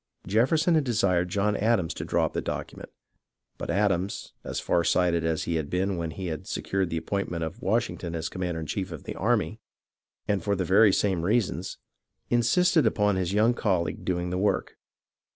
Jefferson had desired John Adams to draw up the docu ment ; but Adams, as far sighted as he had been when he had secured the appointment of Washington as commander 90 HISTORY OF THE AMERICAN REVOLUTION in chief of the army, and for very much the same reasons, insisted upon his young colleague doing the work.